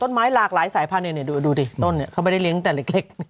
ต้นไม้หลากหลายสายพันธุ์เนี่ยเดี๋ยวดูที่ต้นเนี่ยเขาไม่ได้เลี้ยงตั้งแต่เล็ก